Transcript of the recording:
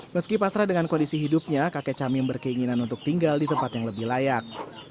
meski pasrah dengan kondisi hidupnya kakek camim berkeinginan untuk tinggal di tempat yang lebih layak